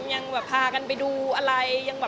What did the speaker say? ยังแบบพากันไปดูอะไร